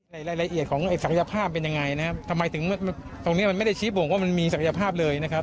รายละเอียดของไอศักยภาพเป็นยังไงนะครับทำไมถึงตรงเนี้ยมันไม่ได้ชี้บ่งว่ามันมีศักยภาพเลยนะครับ